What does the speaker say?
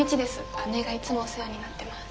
姉がいつもお世話になってます。